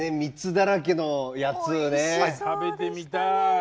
食べてみたい。